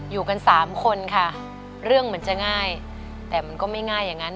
อยู่กันสามคนค่ะเรื่องเหมือนจะง่ายแต่มันก็ไม่ง่ายอย่างนั้น